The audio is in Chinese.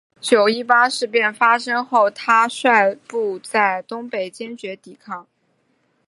九一八事变发生后他率部在东北坚决抵抗。